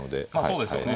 そうですよね。